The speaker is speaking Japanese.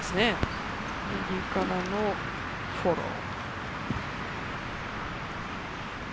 右からのフォロー。